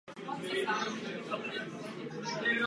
Sloužil v Mladé Boleslavi pod majorem Antonínem Ďurkovem.